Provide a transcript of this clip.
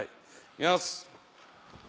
いきます。